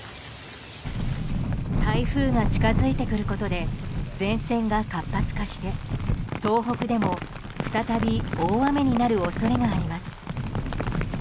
台風が近づいてくることで前線が活発化して東北でも再び大雨になる恐れがあります。